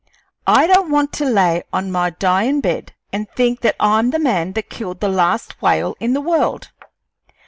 I don't want to lay on my dyin' bed an' think that I'm the man that killed the last whale in the world.